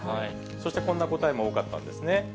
そしてこんな答えも多かったんですね。